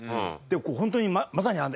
こうホントにまさにあれ。